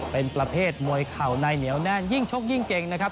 เป็นประเภทมวยเข่าในเหนียวแน่นยิ่งชกยิ่งเก่งนะครับ